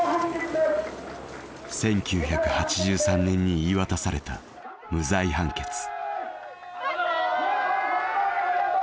１９８３年に言い渡された無罪判決。